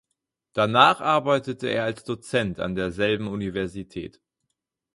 Danach arbeitete er als Dozent an derselben Universität.